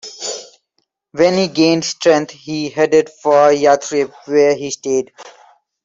When he gained strength, he headed for Yathrib, where he stayed.